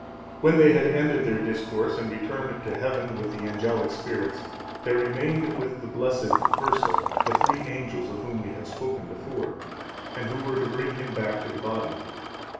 When they had ended their discourse, and returned to Heaven with the angelic spirits, there remained with the blessed Fursa, the three angels of whom we have spoken before, and who were to bring him back to the body.